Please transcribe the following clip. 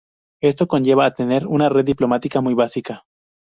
Esto conlleva a tener una red diplomática muy básica.